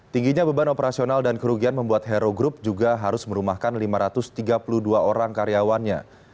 tingginya beban operasional dan kerugian membuat hero group juga harus merumahkan lima ratus tiga puluh dua orang karyawannya